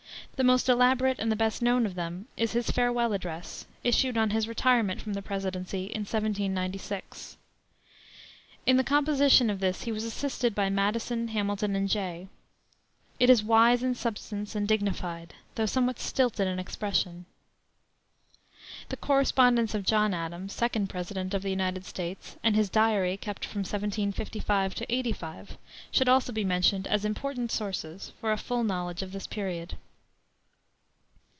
The most elaborate and the best known of them is his Farewell Address, issued on his retirement from the presidency in 1796. In the composition of this he was assisted by Madison, Hamilton, and Jay. It is wise in substance and dignified, though somewhat stilted in expression. The correspondence of John Adams, second President of the United States, and his diary, kept from 1755 85, should also be mentioned as important sources for a full knowledge of this period.